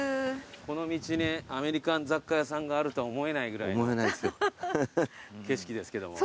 この道にアメリカン雑貨屋さんがあるとは思えないぐらいの景色ですけども。